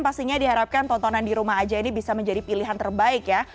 pastinya diharapkan tontonan di rumah aja ini bisa menjadi pilihan terbaik ya